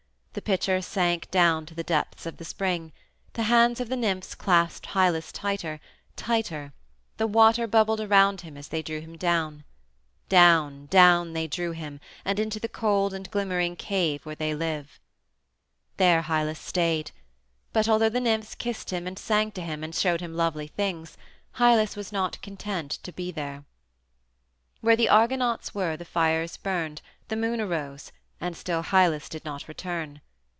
The pitcher sank down to the depths of the spring. The hands of the nymphs clasped Hylas tighter, tighter; the water bubbled around him as they drew him down. Down, down they drew him, and into the cold and glimmering cave where they live. There Hylas stayed. But although the nymphs kissed him and sang to him, and showed him lovely things, Hylas was not content to be there. Where the Argonauts were the fires burned, the moon arose, and still Hylas did not return.